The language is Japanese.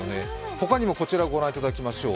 ほかにもこちらをご覧いただきましょう。